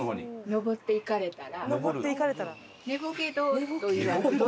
登っていかれたら？